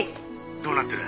どうなってる？